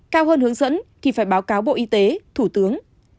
cao hơn hướng dẫn thì phải báo cáo bộ y tế thủ tướng